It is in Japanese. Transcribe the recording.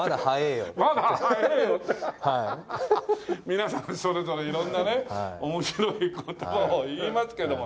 皆さんそれぞれいろんなね面白い言葉を言いますけどもね。